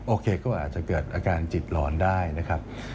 โอเคก็อาจจะเกิดอาการจิตหลอนได้นะครับ